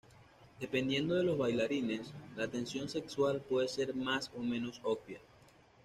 Dependiendo de los bailarines, la tensión sexual puede ser más o menos obvia.